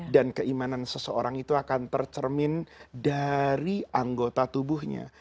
dan keimanan seseorang itu akan tercermin dari anggota tubuhnya